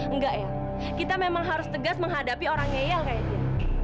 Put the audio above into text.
enggak el kita memang harus tegas menghadapi orang ngeyal kayak dia